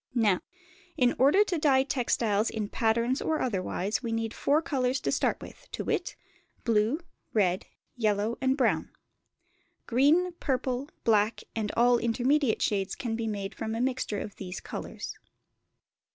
Now, in order to dye textiles in patterns or otherwise, we need four colours to start with to wit, blue, red, yellow, and brown; green, purple, black, and all intermediate shades can be made from a mixture of these colours.